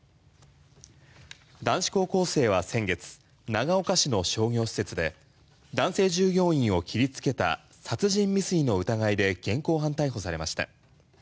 男子高校生は先月長岡市の商業施設で男性従業員を切り付けた殺人未遂の疑いで現行犯逮捕されました。